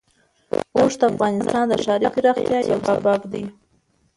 اوښ د افغانستان د ښاري پراختیا یو سبب دی.